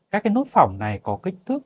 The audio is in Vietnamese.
các cái nốt phỏng này có kích thước